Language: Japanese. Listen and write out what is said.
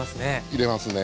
入れますね